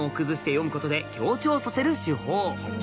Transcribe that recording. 詠むことで強調させる手法